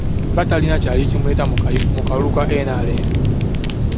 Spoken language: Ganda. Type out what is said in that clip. Nga teyayina kyali kimuleeta mu kalulu ka NRM.